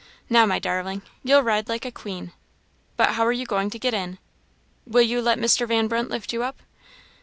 Now, my darling, you'll ride like a queen. But how are you going to get in? Will you let Mr. Van Brunt lift you up?"